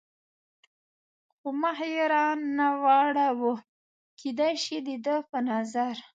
خو مخ یې را نه واړاوه، کېدای شي د ده په نظر.